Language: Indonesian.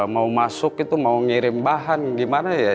mau masuk itu mau ngirim bahan gimana ya